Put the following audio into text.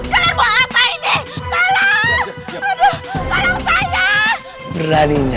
lepasin lepasin tangannya